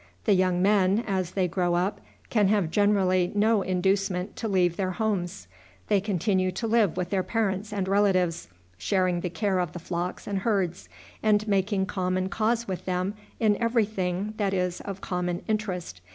The young men, as they grow up, can have generally no inducement to leave their homes. They continue to live with their parents and relatives, sharing the care of the flocks and herds, and making common cause with them in every thing that is of common interest.